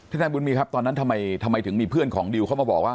นายบุญมีครับตอนนั้นทำไมถึงมีเพื่อนของดิวเข้ามาบอกว่า